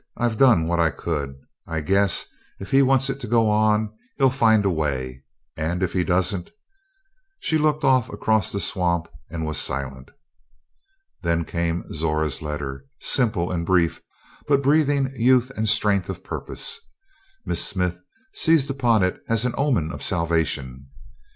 I've done what I could. I guess if He wants it to go on, He'll find a way. And if He doesn't " She looked off across the swamp and was silent. Then came Zora's letter, simple and brief, but breathing youth and strength of purpose. Miss Smith seized upon it as an omen of salvation.